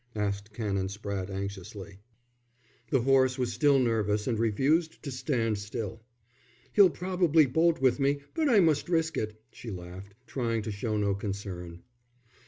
asked Canon Spratte, anxiously. The horse was still nervous and refused to stand still. "He'll probably bolt with me, but I must risk it," she laughed, trying to show no concern.